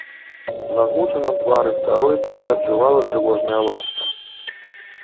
На змучаным твары старой тады аджывала трывожная ласка.